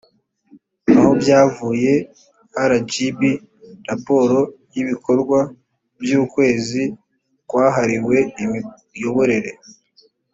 aho byavuye rgb raporo y ibikorwa by ukwezi kwahariwe imiyoborere